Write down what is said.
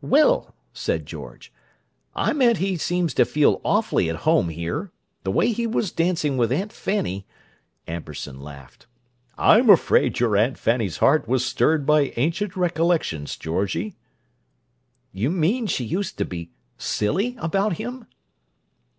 "Well," said George, "I meant he seems to feel awfully at home here. The way he was dancing with Aunt Fanny—" Amberson laughed. "I'm afraid your Aunt Fanny's heart was stirred by ancient recollections, Georgie." "You mean she used to be silly about him?"